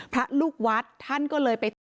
พระลูกวัดท่านก็เลยไปเจอพระลูกวัด